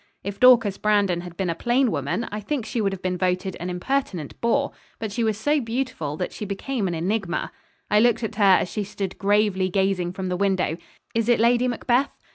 If Dorcas Brandon had been a plain woman, I think she would have been voted an impertinent bore; but she was so beautiful that she became an enigma. I looked at her as she stood gravely gazing from the window. Is it Lady Macbeth?